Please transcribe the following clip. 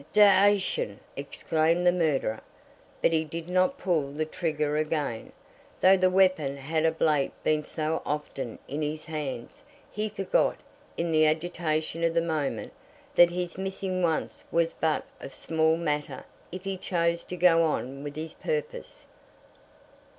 "D ation!" exclaimed the murderer. But he did not pull the trigger again. Though the weapon had of late been so often in his hands, he forgot, in the agitation of the moment, that his missing once was but of small matter if he chose to go on with his purpose.